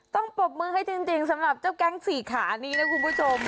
ปรบมือให้จริงสำหรับเจ้าแก๊งสี่ขานี้นะคุณผู้ชม